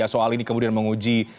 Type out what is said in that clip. soal ini kemudian menguji